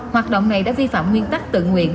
hoạt động này đã vi phạm nguyên tắc tự nguyện